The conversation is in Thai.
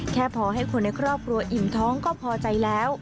แค่พอให้คนในครอบครัวอิ่มท้องก็พอใจแล้ว